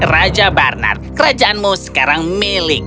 raja barnard kerajaanmu sekarang milik